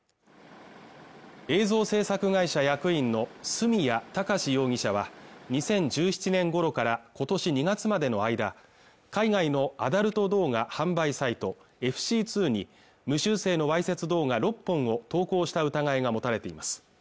映像制作会社役員の角谷貴史容疑者は２０１７年ごろからことし２月までの間海外のアダルト動画販売サイトＦＣ２に無修正のわいせつ動画６本を投稿した疑いが持たれています